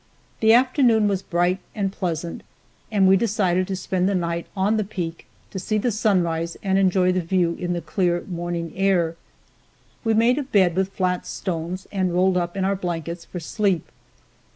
The afternoon was bright and pleasant, and we decided to spend the night on the peak, to see the sunrise and enjoy the view in the clear morning air. We made a bed with flat stones and rolled up in our blankets for sleep.